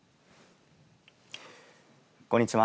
こんにちは。